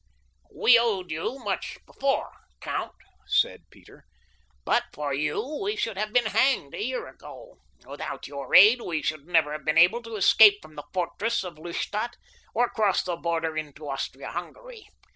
"We owed you much before, count," said Peter. "But for you we should have been hanged a year ago—without your aid we should never have been able to escape from the fortress of Lustadt or cross the border into Austria Hungary.